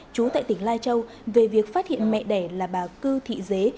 chú tại tỉnh lai châu về việc phát hiện mẹ đẻ là bà cư thị dế